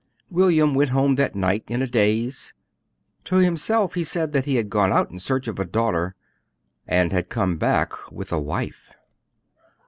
William went home that night in a daze. To himself he said that he had gone out in search of a daughter, and had come back with a wife.